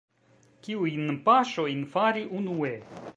Kiujn paŝojn fari unue?